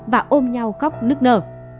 và ôm nhau khóc nức nở